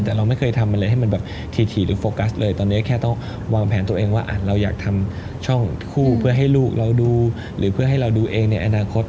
แต่เราไม่เคยทำอะไรให้มันแบบถี่หรือโฟกัสเลยตอนนี้แค่ต้องวางแผนตัวเองว่าเราอยากทำช่องคู่เพื่อให้ลูกเราดูหรือเพื่อให้เราดูเองในอนาคต